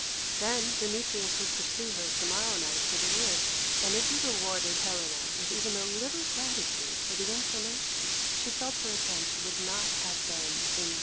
Then Demetrius would pursue her to morrow night to the wood, and if he rewarded Helena with even a little gratitude for the information, she felt her attempt would not have been in vain.